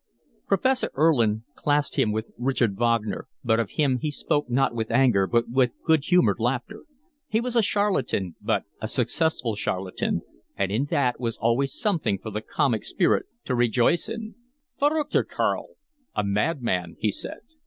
Professor Erlin classed him with Richard Wagner, but of him he spoke not with anger but with good humoured laughter. He was a charlatan but a successful charlatan, and in that was always something for the comic spirit to rejoice in. "Verruckter Kerl! A madman!" he said.